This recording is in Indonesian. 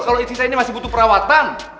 kalau istri saya ini masih butuh perawatan